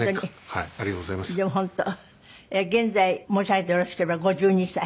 現在申し上げてよろしければ５２歳？